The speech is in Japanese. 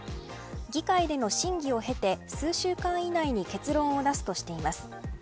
議会での審議を経て数週間以内に結論を出すとしています。